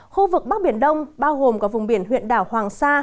khu vực bắc biển đông bao gồm có vùng biển huyện đảo hoàng sa